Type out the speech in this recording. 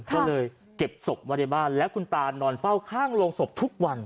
ก็เลยเก็บศพไว้ในบ้านแล้วคุณตานอนเฝ้าข้างโรงศพทุกวัน